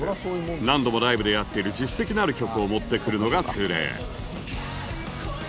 何度もライブでやっている実績のある曲を持ってくるのが通例